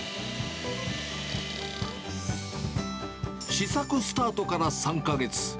試作スタートから３か月。